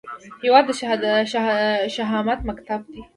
هیواد د شهامت مکتب دی